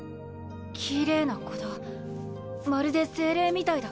綺麗な子だまるで精霊みたいだ。